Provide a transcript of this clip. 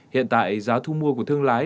hiện tại giá thu mua của thương lái